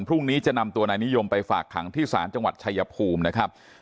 พรุ่งนี้จะนำตัวนายนิยมไปฝากขังที่ศาลจังหวัดชายภูมินะครับ